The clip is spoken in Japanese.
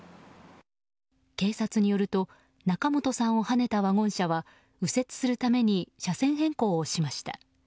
警察によると仲本さんをはねたワゴン車は右折するために車線変更をしました。